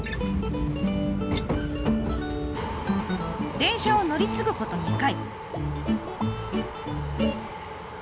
電車を乗り継ぐこと２回。